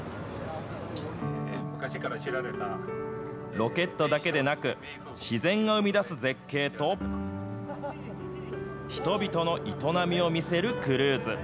ロケットだけでなく、自然が生み出す絶景と、人々の営みを見せるクルーズ。